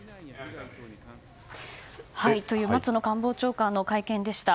松野官房長官の会見でした。